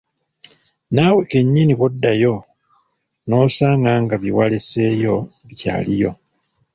Naawe kennyini bw‘oddayo n‘osanga nga bye waleseeyo bikyaliyo.